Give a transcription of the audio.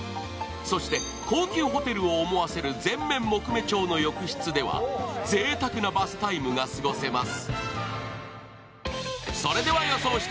そして高級ホテルを思わせる全面木目調の浴室ではぜいたくなバスタイムが過ごせます。